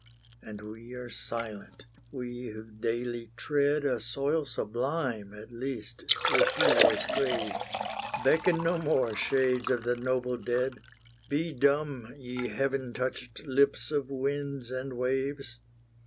And we are silent, we who daily tread A soil sublime, at least, with heroes' graves! Beckon no more, shades of the noble dead! Be dumb, ye heaven touched lips of winds and waves!